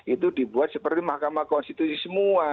itu dibuat seperti mahkamah konstitusi semua